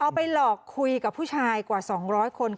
ไปหลอกคุยกับผู้ชายกว่า๒๐๐คน